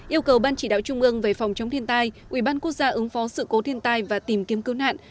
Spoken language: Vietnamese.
yêu cầu ban chỉ đạo trung ương về phòng chống thiên tai ubnd ứng phó sự cố thiên tai và tìm kiếm cứu nạn